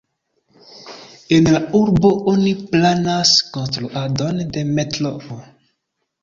En la urbo oni planas konstruadon de metroo.